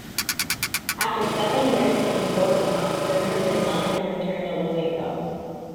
After seven years in Fort Knox, Bruner resigned and returned to Louisville.